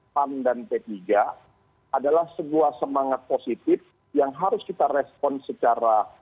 pan dan p tiga adalah sebuah semangat positif yang harus kita respon secara